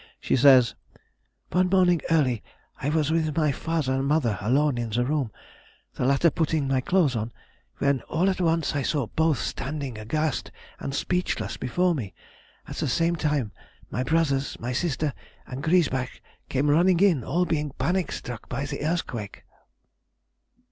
She says:— "One morning early I was with my father and mother alone in the room, the latter putting my clothes on, when all at once I saw both standing aghast and speechless before me; at the same time my brothers, my sister, and Griesbach came running in, all being panic struck by the earthquake."